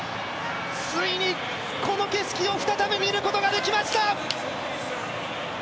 ついにこの景色を再び見ることができました。